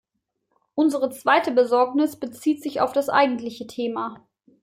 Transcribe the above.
Unsere zweite Besorgnis bezieht sich auf das eigentliche Thema.